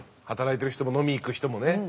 働いてる人も飲みに行く人もね。